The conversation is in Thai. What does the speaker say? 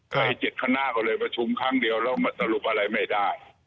ไอ้๗คณะก็เลยประชุมครั้งเดียวแล้วมาสรุปอะไรไม่ได้